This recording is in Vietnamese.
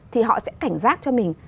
thì họ sẽ cảnh giác cho mình